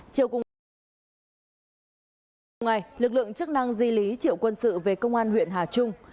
chiều cùng ngày lực lượng chức năng di lý triệu quân sự về công an huyện hà trung